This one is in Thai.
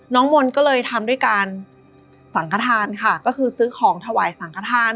น้องมนต์ก็เลยทำด้วยการสังขทานค่ะก็คือซื้อของถวายสังขทาน